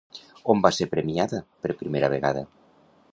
On va ser premiada per primera vegada?